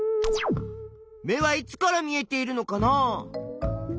目はいつから見えているのかな？